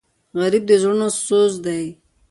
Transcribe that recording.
غریب د زړونو سوز دی